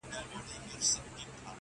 دې لېوني ماحول کي ووايه؛ پر چا مئين يم.